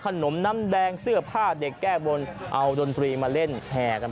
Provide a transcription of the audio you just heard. คุณผู้ชมไปฟังเสียงกันหน่อยว่าเค้าทำอะไรกันบ้างครับ